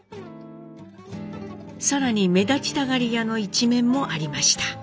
更に目立ちたがり屋の一面もありました。